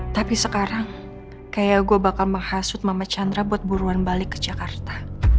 tapi sekarang kayak gue bakal menghasut mama chandra buat buruan balik ke jakarta